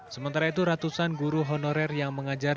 sementara itu ratusan guru honorer yang mengajar